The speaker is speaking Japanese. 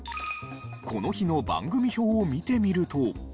この日の番組表を見てみると。